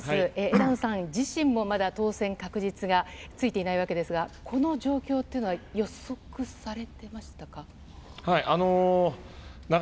枝野さん、自身もまだ当選確実がついていないわけですが、この状況っていうのは予測されてましたか？